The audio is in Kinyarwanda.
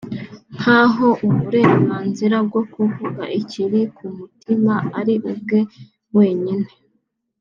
nkaho uburenganzira bwo kuvuga icyiri ku mutima ari ubwe wenyine